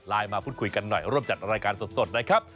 มาพูดคุยกันหน่อยร่วมจัดรายการสดนะครับ